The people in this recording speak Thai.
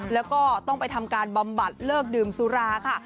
แล้วก็ต้องไปทำการบำบัดเลิกดื่มสุราค่ะ